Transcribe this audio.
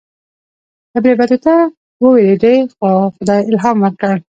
ابن بطوطه ووېرېدی خو خدای الهام ورکړ.